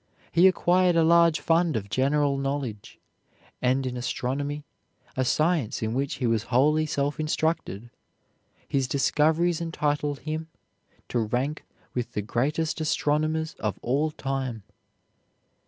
He acquired a large fund of general knowledge, and in astronomy, a science in which he was wholly self instructed, his discoveries entitle him to rank with the greatest astronomers of all time.